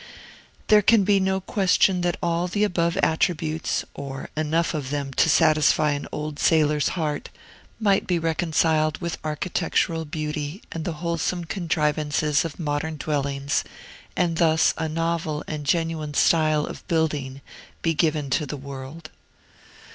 There can be no question that all the above attributes, or enough of then to satisfy an old sailor's heart, might be reconciled with architectural beauty and the wholesome contrivances of modern dwellings, and thus a novel and genuine style of building be given to the world.